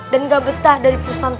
dan gak betah dari pusat